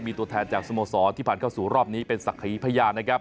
มีตัวแทนจากสโมสรที่ผ่านเข้าสู่รอบนี้เป็นศักยีพยานนะครับ